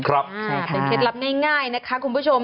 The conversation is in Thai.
ครับเป็นเคล็ดลับง่ายนะคะคุณผู้ชม